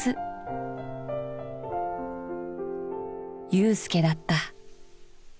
裕介だった。